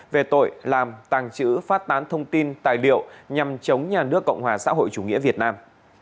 về tội làm tàng trữ phát tán thông tin tài liệu nhằm chống nhà nước cộng hòa xã hội chủ nghĩa việt nam